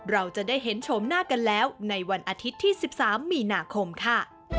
เราจะได้เห็นชมหน้ากันแล้วในวันอาทิตย์ที่๑๓มีนาคมค่ะ